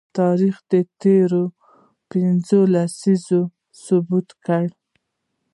تاریخ په تیرو پنځو لسیزو کې ثابته کړله